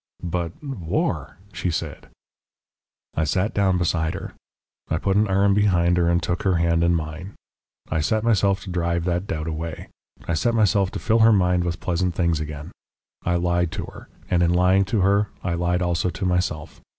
"'But WAR ' she said. "I sat down beside her. I put an arm behind her and took her hand in mine. I set myself to drive that doubt away I set myself to fill her mind with pleasant things again. I lied to her, and in lying to her I lied also to myself.